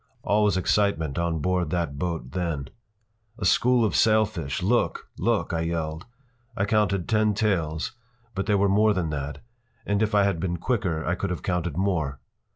All was excitement on board that boat then. “A school of sailfish! Look! Look!” I yelled. I counted ten tails, but there were more than that, and if I had been quicker I could have counted more.